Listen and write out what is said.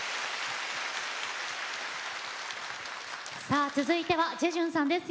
さあ続いてはジェジュンさんです。